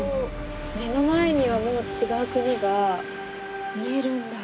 目の前にはもう違う国が見えるんだ。